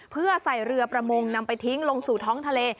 เพื่อใส่เรือประมงนำไปทิ้งลงสู่ท้องทะเล